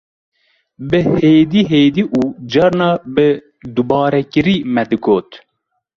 Bi hêdê hêdî û carna bi dubarekirî me digot